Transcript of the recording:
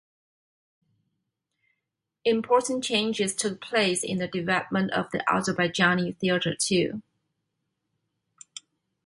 Important changes took place in the development of the Azerbaijani theater too.